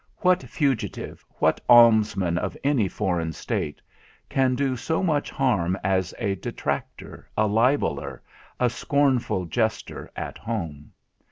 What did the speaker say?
What fugitive, what almsman of any foreign state, can do so much harm as a detractor, a libeller, a scornful jester at home?